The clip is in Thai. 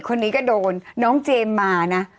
คนนี้ก็โดนน้องเจมส์มานะ